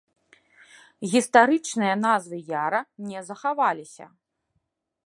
Гістарычныя назвы яра не захаваліся.